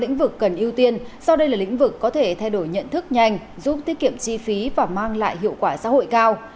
lĩnh vực cần ưu tiên sau đây là lĩnh vực có thể thay đổi nhận thức nhanh giúp tiết kiệm chi phí và mang lại hiệu quả xã hội cao